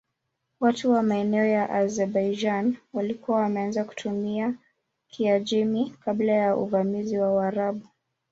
Watu wa maeneo ya Azerbaijan walikuwa wameanza kutumia Kiajemi kabla ya uvamizi wa Waarabu.